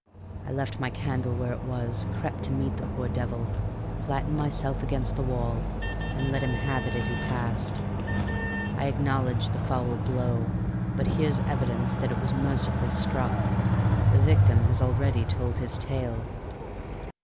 I left my candle where it was, crept to meet the poor devil, flattened myself against the wall, and let him have it as he passed. I acknowledge the foul blow, but here's evidence that it was mercifully struck. The victim has already told his tale."